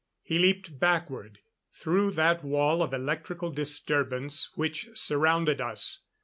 He leaped backward, through that wall of electrical disturbance which surrounded us.